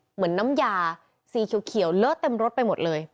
เหมือนน้ำยาสีเขียวเลอะเต็มรถไปหมดเลย